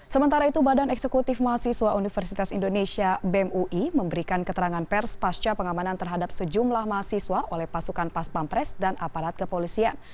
sementara itu badan eksekutif mahasiswa universitas indonesia bem ui memberikan keterangan pers pasca pengamanan terhadap sejumlah mahasiswa oleh pasukan pas pampres dan aparat kepolisian